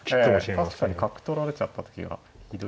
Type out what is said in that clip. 確かに角取られちゃった時がひどい。